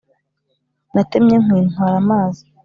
natemye inkwi ntwara amazi;